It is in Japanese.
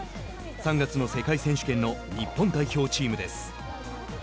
３月の世界選手権の日本代表チームです。